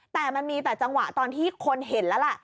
แต่มันมีแต่จังหวะตอนที่คนเห็นแล้วล่ะ